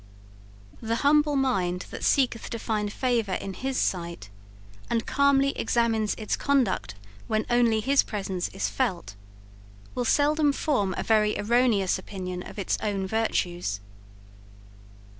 The humble mind that seeketh to find favour in His sight, and calmly examines its conduct when only His presence is felt, will seldom form a very erroneous opinion of its own virtues.